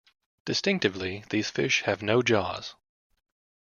Distinctively, these fish have no jaws.